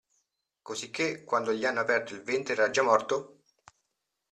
Cosicché, quando gli hanno aperto il ventre era già morto?